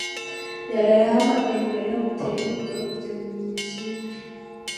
yaraye ahamagaye Mariya amutera inkunga yo kujya mu ikipe. .